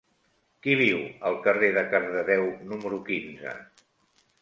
Qui viu al carrer de Cardedeu número quinze?